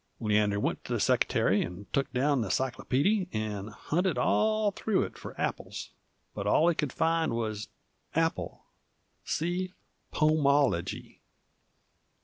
Leander went to the seckertary 'nd took down the cyclopeedy 'nd hunted all through it f'r Apples, but all he could find wuz "Apple See Pomology."